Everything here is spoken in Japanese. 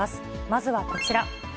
まずはこちら。